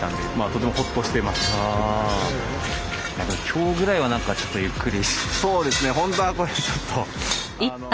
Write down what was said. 今日ぐらいはちょっとゆっくり？